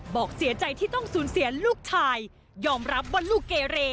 บอกเสียใจที่ต้องสูญเสียลูกชายยอมรับว่าลูกเกเร